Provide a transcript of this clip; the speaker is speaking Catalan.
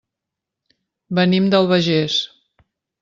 Venim de l'Albagés.